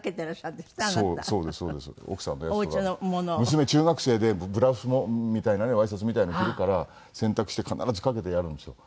娘中学生でブラウスのみたいなねワイシャツみたいなの着るから洗濯して必ずかけてやるんですよ。